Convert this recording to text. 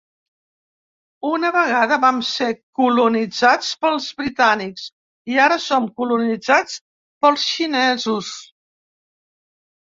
Una vegada vam ser colonitzats pels britànics, i ara som colonitzats pels xinesos.